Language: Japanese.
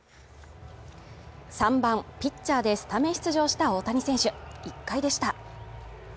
３番ピッチャーでスタメン出場した大谷選手１回でした。